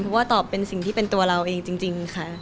เพราะว่าตอบเป็นสิ่งที่เป็นตัวเราเองจริงค่ะ